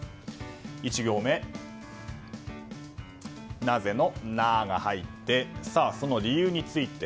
１行目、なぜの「ナ」が入ってその理由について